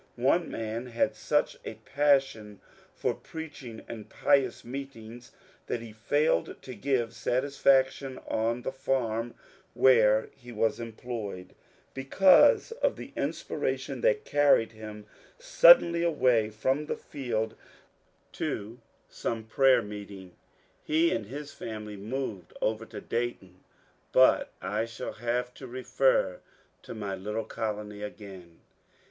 One man had such a passion for preaching and pious meetings that he failed to give satisfaction on the farm where he was DR. AND MBS. HOWE 363 employed, because of the inspiration that carried him sud denly away from the field to some prayer meeting. He and his family moved over to Dayton. But I shall have to refer to my little colony again.